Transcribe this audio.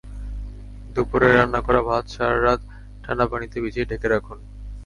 দুপুরের রান্না করা ভাত সারা রাত ঠান্ডা পানিতে ভিজিয়ে ঢেকে রাখুন।